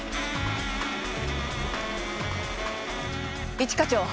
一課長。